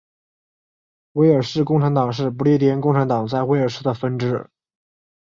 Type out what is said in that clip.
威尔士共产党是不列颠共产党在威尔士的分支。